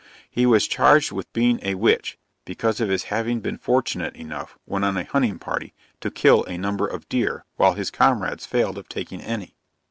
He was charged with being a witch, because of his having been fortunate enough, when on a hunting party, to kill a number of deer, while his comrades failed of taking any.